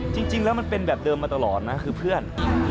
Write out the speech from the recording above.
จริงแล้วมันเป็นแบบเดิมมาตลอดนะคือเพื่อน